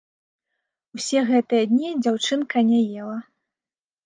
Усе гэтыя дні дзяўчынка не ела.